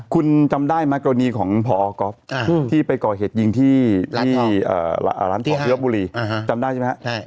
คุณจำได้ไหมกรณีของพอก๊อฟที่ไปก่อเหตุยิงที่ร้านทองที่ลบบุรีจำได้ใช่ไหมครับ